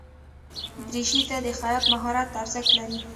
دریشي ته د خیاط مهارت ارزښت لري.